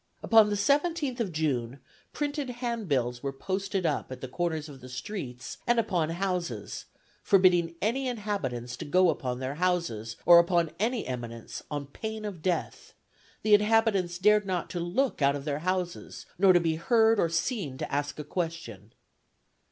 Upon the 17th of June, printed handbills were posted up at the corners of the streets, and upon houses, forbidding any inhabitants to go upon their houses, or upon any eminence, on pain of death; the inhabitants dared not to look out of their houses, nor to be heard or seen to ask a question.